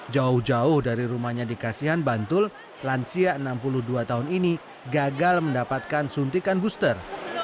jauh jauh dari rumahnya dikasihan bantul lansia enam puluh dua tahun ini gagal mendapatkan suntikan booster